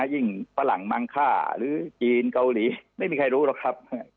ฝรั่งมังค่าหรือจีนเกาหลีไม่มีใครรู้หรอกครับ